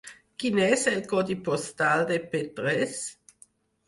Quin és el codi postal de Petrés?